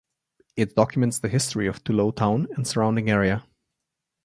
It documents the history of Tullow town and surrounding area.